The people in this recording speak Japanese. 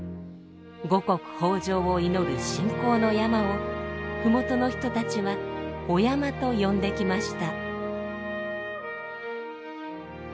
五穀豊穣を祈る信仰の山を麓の人たちは御山と呼んできました。